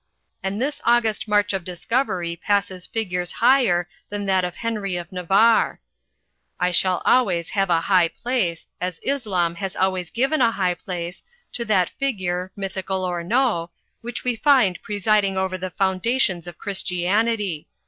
And this august march of discovery passes figures higher than that of Henry of Navarre. I shall always give a high place, as Islam has always given a high place, to that figure, m5rthical or no, which we find presiding over the foundations of Christianity.